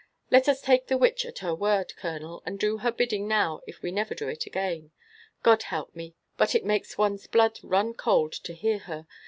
Let us take the witch at her word, colonel, and do her bidding now if we never do it again. God help me! but it makes one's blood run cold to hear her